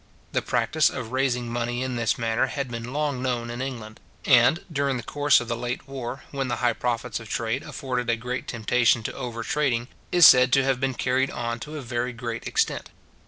The practice of raising money in this manner had been long known in England; and, during the course of the late war, when the high profits of trade afforded a great temptation to over trading, is said to have been carried on to a very great extent.